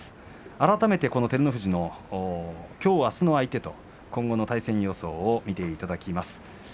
改めて照ノ富士のきょう、あすの相手と今後の対戦予想を見ていただきます。